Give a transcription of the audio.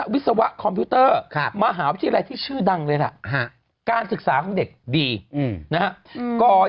วิศวะคอมพิวเตอร์มหาวิทยาลัยที่ชื่อดังเลยล่ะการศึกษาของเด็กดีนะครับ